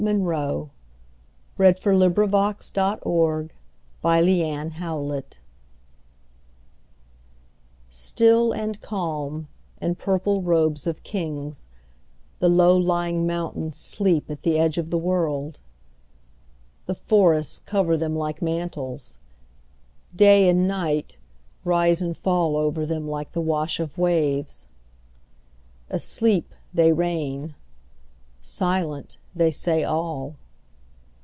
M N . O P . Q R . S T . U V . W X . Y Z The Blue Ridge STILL and calm, In purple robes of kings, The low lying mountains sleep at the edge of the world. The forests cover them like mantles; Day and night Rise and fall over them like the wash of waves. Asleep, they reign. Silent, they say all.